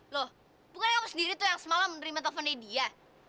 loh pokoknya aku sendiri tuh yang semalam menerima teleponnya dia